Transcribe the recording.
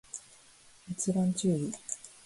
閲覧注意